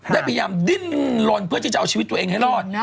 ได้พยายามดิ้นลนเพื่อที่จะเอาชีวิตตัวเองให้รอด